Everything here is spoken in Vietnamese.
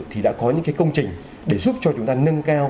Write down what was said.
thì đã có những công trình để giúp cho chúng ta nâng cao